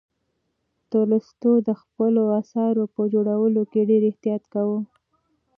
تولستوی د خپلو اثارو په جوړولو کې ډېر احتیاط کاوه.